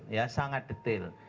ya sangat detail